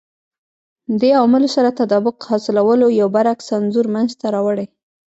دې عواملو سره تطابق حاصلولو یو برعکس انځور منځته راوړي